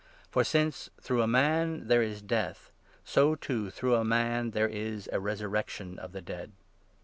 For, since through a man 21 there is death, so, too, through a man there is a resurrection of the dead.